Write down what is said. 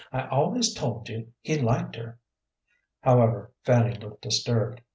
"I always told you he liked her." However, Fanny looked disturbed.